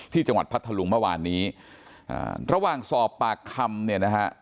พัทธลุงเมื่อวานนี้อ่าระหว่างสอบปากคำเนี่ยนะฮะ